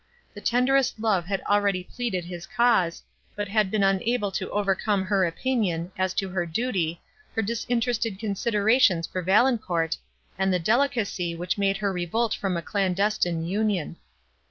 The tenderest love had already pleaded his cause, but had been unable to overcome her opinion, as to her duty, her disinterested considerations for Valancourt, and the delicacy, which made her revolt from a clandestine union.